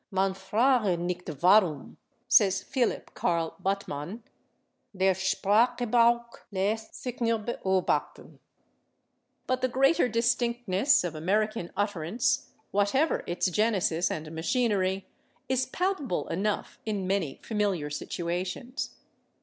"Man frage nicht warum," says Philipp Karl Buttmann. "Der Sprachgebrauch lässt sich nur beobachten." But the greater distinctness of American utterance, whatever its genesis and machinery, is palpable enough in many familiar situations.